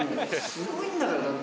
すごいんだからだって。